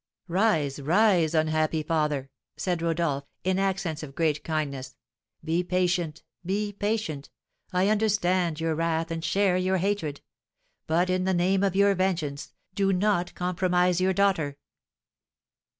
] "Rise, rise, unhappy father," said Rodolph, in accents of great kindness; "be patient, be patient, I understand your wrath and share your hatred; but, in the name of your vengeance, do not compromise your daughter!"